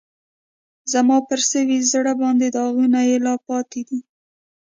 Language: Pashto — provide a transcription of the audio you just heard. زما پر سوي زړه باندې داغونه یې لا پاتی دي